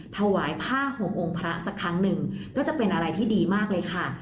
ถวายผ้าห่มองค์พระสักครั้งหนึ่งก็จะเป็นอะไรที่ดีมากเลยค่ะ